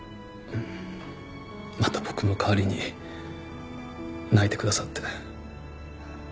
また僕の代わりに泣いてくださって。